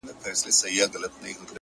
• له ګرېوانه یې شلېدلي دُردانې وې,